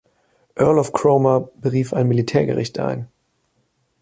Earl of Cromer berief ein Militärgericht ein.